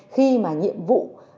khi mà nhiệm vụ